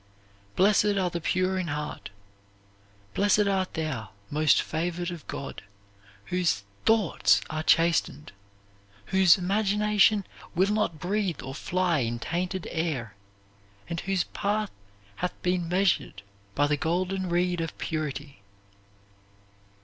Blessed are the pure in heart. Blessed art thou, most favored of God, whose THOUGHTS are chastened; whose imagination will not breathe or fly in tainted air, and whose path hath been measured by the golden reed of purity."